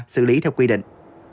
xử lý theo quy định